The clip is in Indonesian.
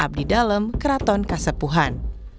dan abdi dalam keraton kasepuhan